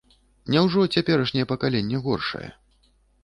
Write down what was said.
Няўжо цяперашняе пакаленне горшае?